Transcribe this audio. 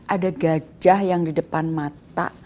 ada gajah yang di depan mata